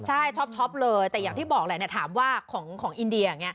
ใช่ท็อปเลยแต่อย่างที่บอกแล้วถามว่าของอินเดีย